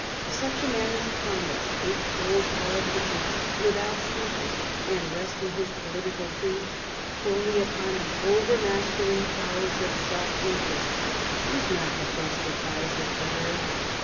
Such a man as Kaunitz, a cold politician, without scruples, and resting his political creed wholly upon the overmastering powers of self interest, was not the best adviser for her.